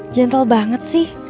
jantel banget sih